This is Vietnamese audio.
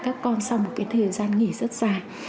các con sau một cái thời gian nghỉ rất dài